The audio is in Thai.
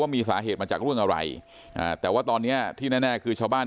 มีสาเหตุมาจากเรื่องอะไรแต่ว่าตอนเนี้ยที่แน่คือชาวบ้าน